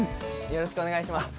よろしくお願いします。